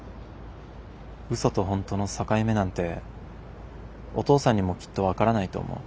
嘘と本当の境目なんてお父さんにもきっと分からないと思う。